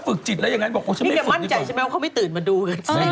คืนฮะใช่ไหมว่าเขาไม่ตื่นมาดูกัน